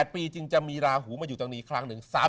๘ปีจึงจะมีราหูมาอยู่ตรงนี้ครั้งหนึ่ง